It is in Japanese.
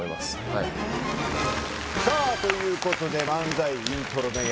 はいさあということで漫才イントロドン